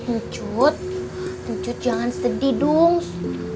ncut ncut jangan sedih dungs